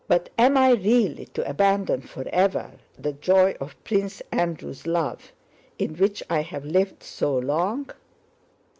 But am I really to abandon forever the joy of Prince Andrew's love, in which I have lived so long?"